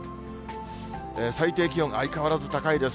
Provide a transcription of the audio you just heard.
最低気温、相変わらず高いです。